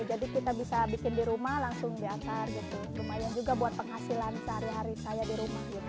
jadi kita bisa bikin di rumah langsung diantar gitu